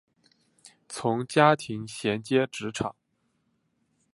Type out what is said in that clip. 从家庭衔接职场